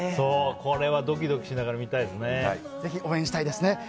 これはドキドキしながら見たいですね。